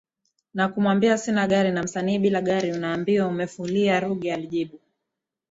na kumwambia sina gari na msanii bila gari unaambiwa umefulia Ruge alijibu